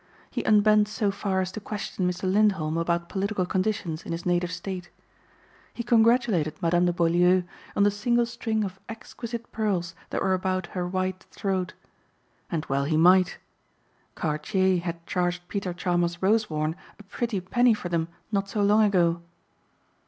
He unbent so far as to question Mr. Lindholm about political conditions in his native state. He congratulated Madame de Beaulieu on the single string of exquisite pearls that were about her white throat. And well he might. Cartier had charged Peter Chalmers Rosewarne a pretty penny for them not so long ago.